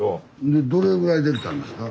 でどれぐらい出来たんですか？